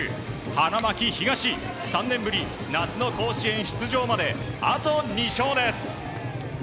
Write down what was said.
花巻東、３年ぶり夏の甲子園出場まであと２勝です。